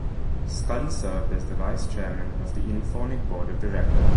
Sculley served as the vice chairman of the InPhonic board of directors.